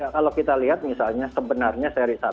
kalau kita lihat misalnya sebenarnya seri satu